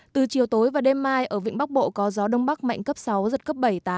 từ chiều tối và đêm mai ở vịnh bắc bộ có gió đông bắc mạnh cấp sáu giật cấp bảy tám